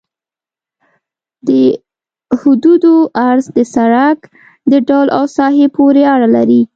د حدودو عرض د سرک د ډول او ساحې پورې اړه لري